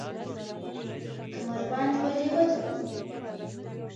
کمربند ولې وتړو؟